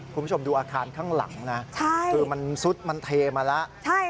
คุณผู้ชมดูอาคารข้างหลังนะคือมันซุดมันเทมาแล้ว